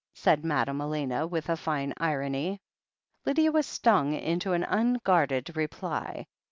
said Madame Elena, with a fine irony. Lydia was stung into an unguarded reply.